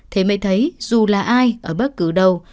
thế mới thấy dù là ai ở bất cứ đâu